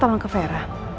tolong ke fera